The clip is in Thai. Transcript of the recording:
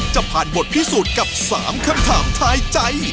จะผ่านบทพิสูจน์กับ๓คำถามทายใจ